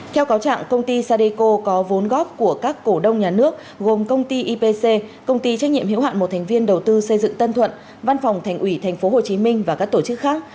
theo cáo trạng công ty sadeco có vốn góp của các cổ đông nhà nước gồm công ty ipc công ty trách nhiệm hiểu hạn một thành viên đầu tư xây dựng tân thuận văn phòng thành ủy tp hcm và các tổ chức khác